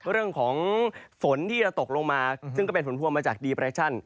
เรื่องของฝนที่จะตกลงมาซึ่งก็เป็นผลพวงมาจากดีเปรชั่น